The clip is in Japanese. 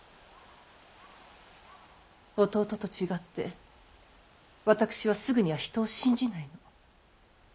弟と違って私はすぐには人を信じないの。